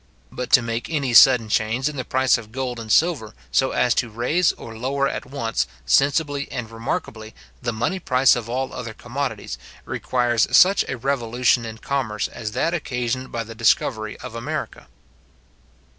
But to make any sudden change in the price of gold and silver, so as to raise or lower at once, sensibly and remarkably, the money price of all other commodities, requires such a revolution in commerce as that occasioned by the discovery of America.